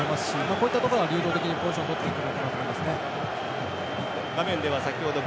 こういったところからリード的にポジション取っていくんだと思います。